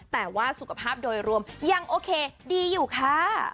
แต่ว่าสุขภาพโดยรวมยังโอเคดีอยู่ค่ะ